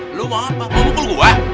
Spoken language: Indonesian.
eh lu apa mau mukul gue